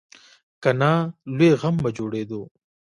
که نه، لوی غم به جوړېدو.